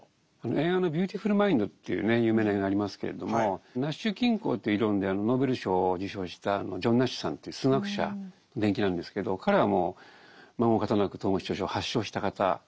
映画の「ビューティフル・マインド」という有名な映画ありますけれどもナッシュ均衡という理論でノーベル賞を受賞したジョン・ナッシュさんという数学者の伝記なんですけど彼はもうまごう方なく統合失調症を発症した方なんですよ。